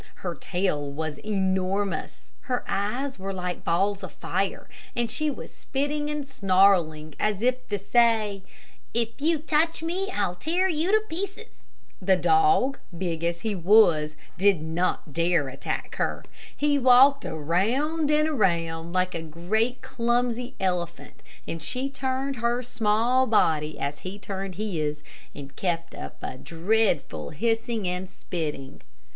Her tail was enormous. Her eyes were like balls of fire, and she was spitting and snarling, as if to say, "If you touch me, I'll tear you to pieces!" The dog, big as he was, did not dare attack her. He walked around and around, like a great clumsy elephant, and she turned her small body as he turned his, and kept up a dreadful hissing and spitting.